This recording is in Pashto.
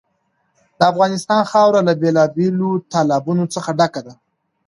د افغانستان خاوره له بېلابېلو تالابونو څخه ډکه ده.